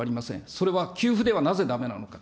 それは給付ではなぜだめなのか。